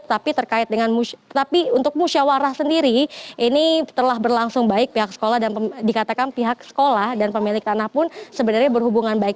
tapi terkait dengan tetapi untuk musyawarah sendiri ini telah berlangsung baik pihak sekolah dan dikatakan pihak sekolah dan pemilik tanah pun sebenarnya berhubungan baik